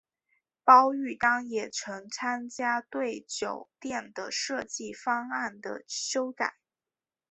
包玉刚也曾参与对酒店的设计方案的修改。